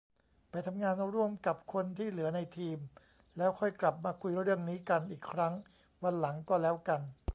ไปทำงานร่วมกับคนที่เหลือในทีม แล้วค่อยกลับมาคุยเรื่องนี้กันอีกครั้งวันหลังก็แล้วกัน